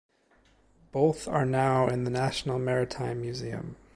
Both are now in the National Maritime Museum.